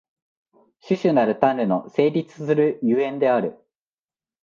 種々なる種の成立する所以である。